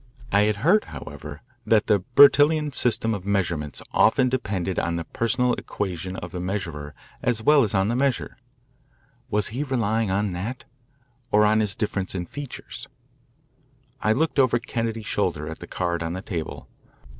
I had heard, however, that the Bertillon system of measurements often depended on the personal equation of the measurer as well as on the measured. Was he relying on that, or on his difference in features? I looked over Kennedy's shoulder at the card on the table.